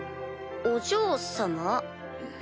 お嬢様？